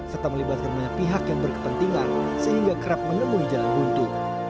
serta melibatkan banyak pihak yang berkepentingan sehingga kerap menemui jalan buntu